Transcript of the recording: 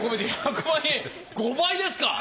５倍ですか！